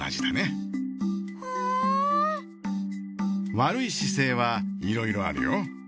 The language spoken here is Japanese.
悪い姿勢はいろいろあるよ。